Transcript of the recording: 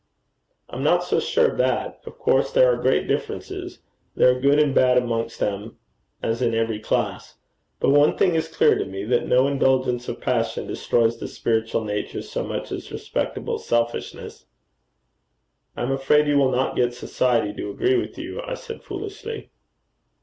'I'm not so sure of that. Of course there are great differences. There are good and bad amongst them as in every class. But one thing is clear to me, that no indulgence of passion destroys the spiritual nature so much as respectable selfishness.' 'I am afraid you will not get society to agree with you,' I said, foolishly.